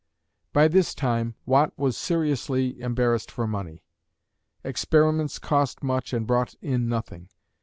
By this time, Watt was seriously embarrassed for money. Experiments cost much and brought in nothing.